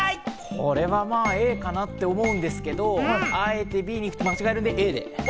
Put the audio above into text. これはＡかなと思うんですけれども、あえてＢに行くと間違えるのでＡ。